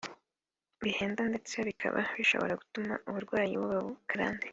bihenda ndetse bikaba bishobora gutuma uburwayi buba karande